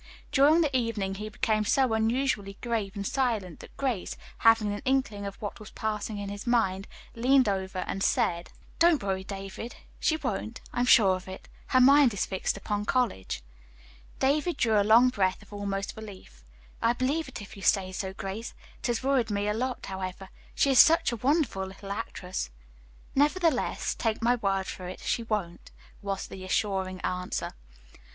During the evening he became so unusually grave and silent that Grace, having an inkling of what was passing in his mind, leaned over and said: "Don't worry, David, she won't. I am sure of it. Her mind is fixed upon college." David drew a long breath of almost relief. "I believe it if you say so, Grace; it has worried me a lot, however. She is such a wonderful little actress." "Nevertheless, take my word for it, she won't," was the assuring answer.